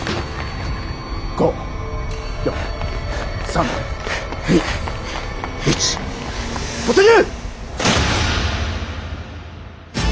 ５４３２１突入！